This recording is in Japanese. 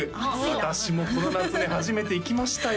私もこの夏に初めて行きましたよ